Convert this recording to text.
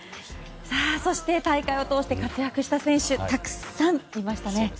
そして、大会を通して活躍した選手たくさんいましたね。